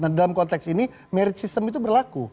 nah dalam konteks ini merit system itu berlaku